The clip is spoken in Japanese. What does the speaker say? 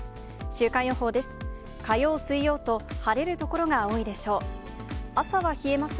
週間予報です。